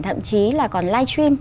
thậm chí là còn live stream